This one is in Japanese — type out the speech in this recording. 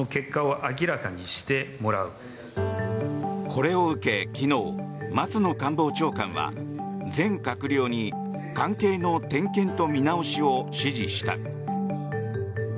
これを受け、昨日松野官房長官は全閣僚に関係の点検と見直しを指示した。